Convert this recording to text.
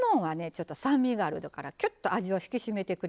ちょっと酸味があるからきゅっと味を引き締めてくれます。